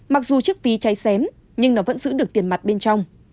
mặc dù chiếc ví cháy xém nhưng nó vẫn giữ được tiền mặt bên trong